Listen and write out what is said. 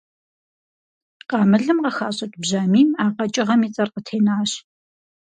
Къамылым къыхащӀыкӀ бжьамийм а къэкӀыгъэм и цӀэр къытенащ.